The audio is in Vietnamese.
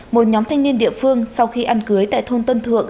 một nhóm thanh niên địa phương sau khi ăn cưới tại thôn tân thượng